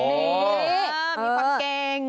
มีความเก่ง